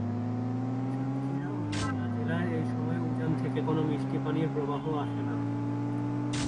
সাতক্ষীরা ও খুলনা জেলায় এই সময় উজান থেকে কোনো মিষ্টি পানির প্রবাহ আসে না।